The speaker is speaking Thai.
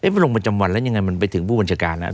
มันลงประจำวันแล้วยังไงมันไปถึงผู้บัญชาการ